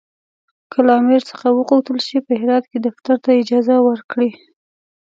که له امیر څخه وغوښتل شي چې په هرات کې دفتر ته اجازه ورکړي.